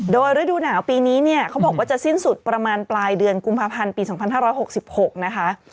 โดยฤดูหนาวปีนี้เนี่ยเขาบอกว่าจะสิ้นสุดประมาณปลายเดือนกุมภาพันธ์ปี๒๕๖๖นะคะ